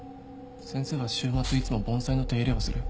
先生は週末いつも盆栽の手入れをする。